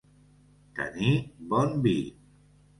Tenir bon vi.